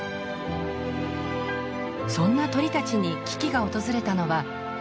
そんな鳥たちに危機が訪れたのは２０００年夏。